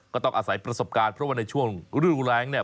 ก็ต้องอาศัยประสบการณ์เพราะว่าในช่วงฤดูแรงเนี่ย